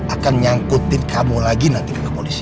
akan nyangkutin kamu lagi nanti ke kepolisian